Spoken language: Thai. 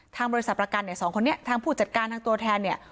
ทางบริษัทประกันเนี่ย๒ขนนี้ผู้จัดการทางตัวแทนเนี่ย